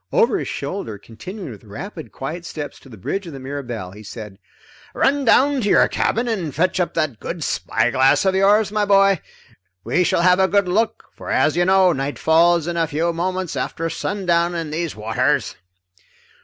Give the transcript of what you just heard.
Over his shoulder, continuing with rapid quiet steps to the bridge of the Mirabelle, he said: "Run down to your cabin and fetch up that good spyglass of yours, my boy. We shall have a good look, for as you know, night falls in a few moments after sundown in these waters."